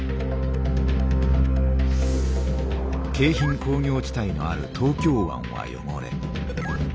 京浜工業地帯のある東京湾は汚れ